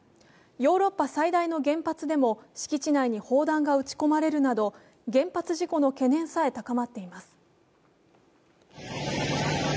ヨーロッパ最大の原発でも敷地内に砲弾が撃ち込まれるなど原発事故の懸念さえ高まっています。